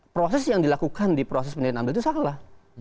proses yang dilakukan di proses pendidikan amdal itu salah